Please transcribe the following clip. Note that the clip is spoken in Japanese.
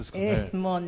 もうね。